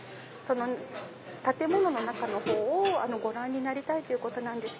建物の中のほうをご覧になりたいということです。